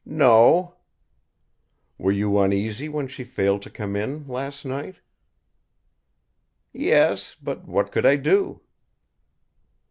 "No." "Were you uneasy when she failed to come in last night?" "Yes; but what could I do?"